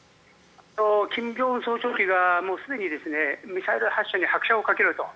金正恩総書記がもうすでにミサイル発射に拍車をかけろと。